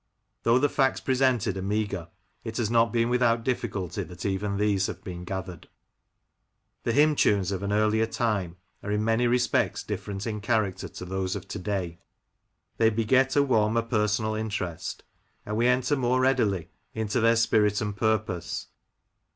Though the facts presented are meagre, it has not been without difficulty that even these have been gathered. The hymn tunes of an earlier time are in many respects different in character to those of to day. They beget a warmer personal interest, and we enter more readily into their spirit and purpose.